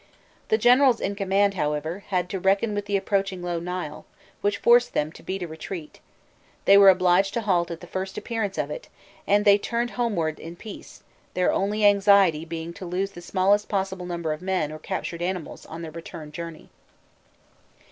The generals in command, however, had to reckon with the approaching low Nile, which forced them to beat a retreat; they were obliged to halt at the first appearance of it, and they turned homewards "in peace," their only anxiety being to lose the smallest possible number of men or captured animals on their return journey.